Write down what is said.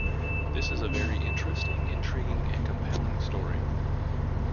This is a very interesting, intriguing, and compelling story.